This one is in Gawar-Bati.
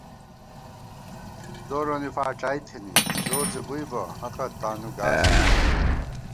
زورَنی فاڄائی تھنی زور زی بُوئی بہ حقہ تانُوگاسہ بی